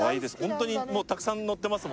ホントにもうたくさん載ってます